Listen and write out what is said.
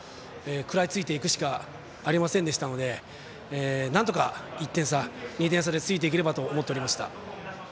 食らいついていくしかありませんでしたのでなんとか１点差、２点差でついていければと思っておりました。